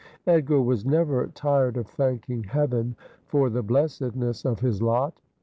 Edgar was never tired of thanking heaven for the blessedness of his lot.